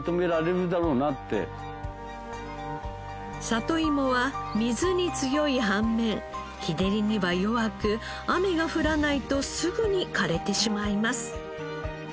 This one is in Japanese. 里いもは水に強い反面日照りには弱く雨が降らないとすぐに枯れてしまいます。